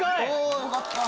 よかった。